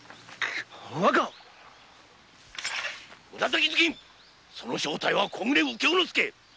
紫頭巾その正体は木暮右京之介。